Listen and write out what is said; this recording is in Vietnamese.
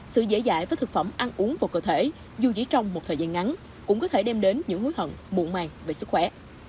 sự dễ dãi với thực phẩm ăn uống vào cơ thể dù chỉ trong một thời gian ngắn cũng có thể đem đến những hối hận buồn màng về sức khỏe